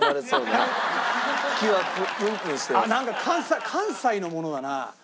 なんか関西のものだな。